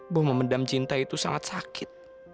bahwa memendam cinta itu sangat sakit